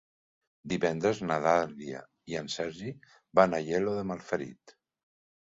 Divendres na Dàlia i en Sergi van a Aielo de Malferit.